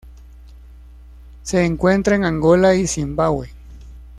Se encuentra en Angola y Zimbabue.